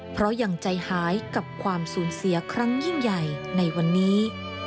เพราะยังใจหายกับความสูญเสียครั้งยิ่งใหญ่ในวันนี้